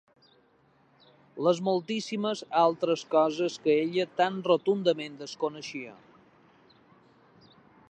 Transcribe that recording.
Les moltíssimes altres coses que ella tan rotundament desconeixia.